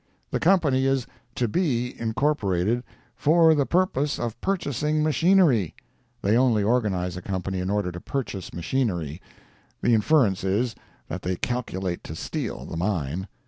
The company is "to be" incorporated "for the purpose of purchasing machinery"—they only organize a company in order to purchase machinery—the inference is, that they calculate to steal the mine.